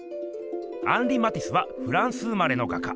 アンリ・マティスはフランス生まれの画家。